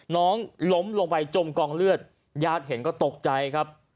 น้องล้มลงไปจมกองเลือดญาติเห็นก็ตกใจครับ